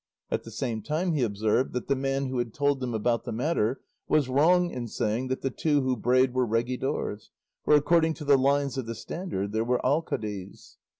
At the same time he observed that the man who had told them about the matter was wrong in saying that the two who brayed were regidors, for according to the lines of the standard they were alcaldes.